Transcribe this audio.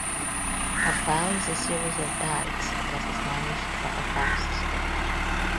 A file is a series of bytes that is managed by a file system.